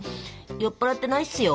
酔っ払ってないっすよ！